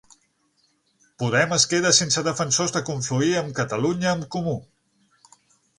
Podem es queda sense defensors de confluir amb Catalunya en Comú